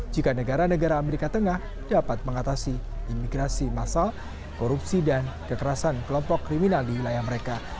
jika negara negara amerika tengah dapat mengatasi imigrasi masal korupsi dan kekerasan kelompok kriminal di wilayah mereka